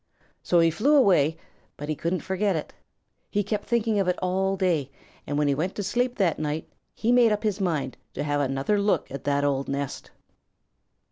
So he flew away, but he couldn't forget it. He kept thinking of it all day, and when he went to sleep that night he made up his mind to have another look at that old nest.